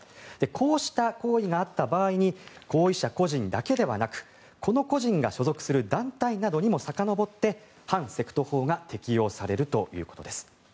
こうした行為があった場合に行為者個人だけではなくこの個人が所属する団体などにもさかのぼって反セクト法が適用されるということです。